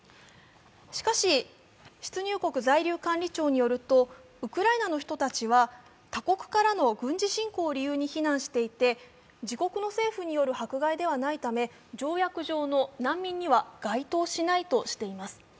しかし、出入国在留管理庁によるとウクライナの人たちは他国からの軍事侵攻を理由に避難していて、自国の政府による迫害ではないため条約上の難民には該当しないとしています。